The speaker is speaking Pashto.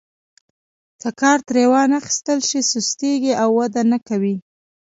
که کار ترې وانخیستل شي سستیږي او وده نه کوي.